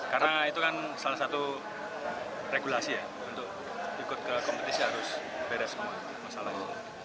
karena itu kan salah satu regulasi ya untuk ikut ke kompetisi harus beres semua masalah itu